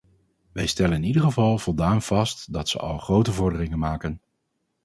Wij stellen in ieder geval voldaan vast dat ze al grote vorderingen maken.